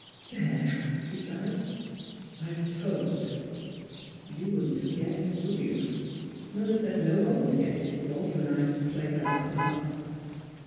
''There!" she sighed, "I've told. Yon wouldn't have guessed: would you? Mother said no one would guess, if Walter and I — played our parts.